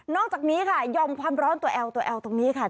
อกจากนี้ค่ะยอมความร้อนตัวแอลตัวแอลตรงนี้ค่ะ